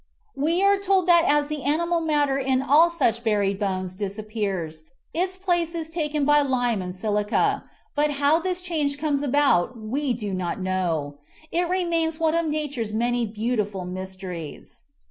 We are told that as the animal matter in all such buried bones disappears, its place is taken by lime and silica, but how this change comes about we do not know. It remains one of Nature's many beautiful mysteries.